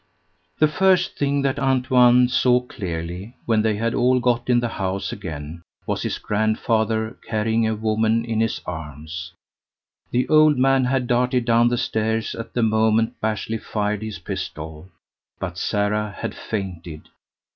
The first thing that Antoine saw clearly, when they had all got into the house again, was his grandfather carrying a woman in his arms. The old man had darted down the stairs at the moment Bashley fired his pistol; but Sara had fainted.